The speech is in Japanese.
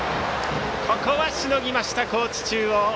ここはしのぎました、高知中央。